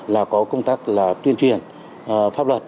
là có công tác là tuyên truyền pháp luật